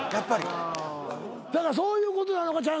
だからそういうことなのか？